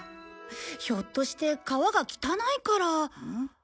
ひょっとして川が汚いから。